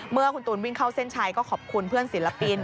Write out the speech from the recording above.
เมื่อคุณตูนวิ่งเข้าเส้นชัยก็ขอบคุณเพื่อนศิลปิน